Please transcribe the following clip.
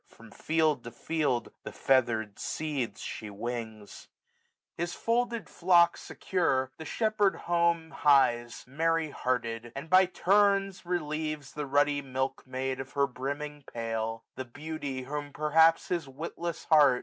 From field to field the featherM seeds she wings. 112 SUMMER His folded flock secure, the shepherd home Hies, merry hearted : and by turns relieves The ruddy milk maid of her brimming pail ; 1665 The beauty whom perhaps his witless heart.